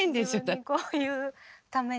自分にこういうために。